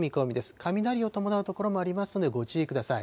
雷を伴う所もありますので、ご注意ください。